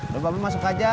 loh bapak masuk aja